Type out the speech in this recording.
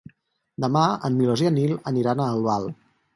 Demà en Milos i en Nil aniran a Albal.